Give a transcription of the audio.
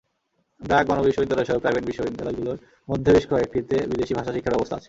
ব্র্যাক, গণবিশ্ববিদ্যালয়সহ প্রাইভেট বিশ্ববিদ্যালয়গুলোর মধ্যে বেশ কয়েকটিতে বিদেশি ভাষা শিক্ষার ব্যবস্থা আছে।